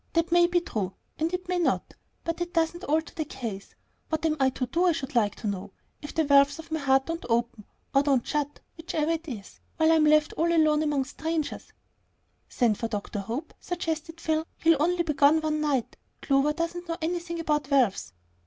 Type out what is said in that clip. That may be true, and it may not; but it doesn't alter the case. What am I to do, I should like to know, if the valves of my heart don't open, or don't shut whichever it is while I'm left all alone here among strangers?" "Send for Dr. Hope," suggested Phil. "He'll only be gone one night. Clover doesn't know anything about valves."